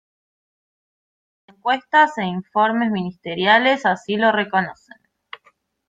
Las encuestas e informes ministeriales así lo reconocen.